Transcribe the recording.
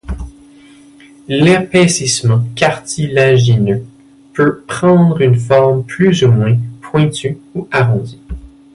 L'épaississement cartilagineux peut prendre une forme plus ou moins pointue ou arrondie.